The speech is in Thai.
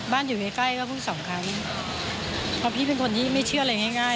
อยู่ใกล้ใกล้ก็เพิ่งสองครั้งเพราะพี่เป็นคนที่ไม่เชื่ออะไรง่าย